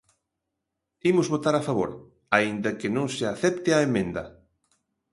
Imos votar a favor, aínda que non se acepte a emenda.